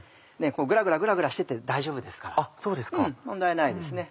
グラグラグラグラしてて大丈夫ですから問題ないですね。